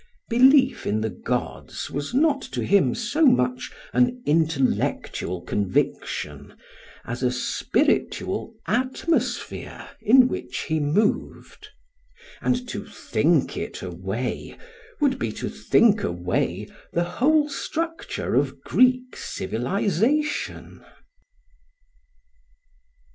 Belief in the gods was not to him so much an intellectual conviction, as a spiritual atmosphere in which he moved; and to think it away would be to think away the whole structure of Greek civilisation.